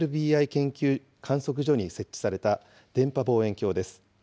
研究観測所に設置された電波望遠鏡です。